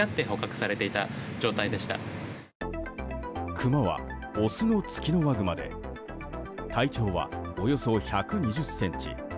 クマはオスのツキノワグマで体長は、およそ１２０ｃｍ。